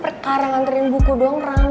perkara antarin buku doang rame banget